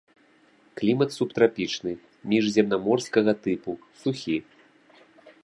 Клімат субтрапічны, міжземнаморскага тыпу, сухі.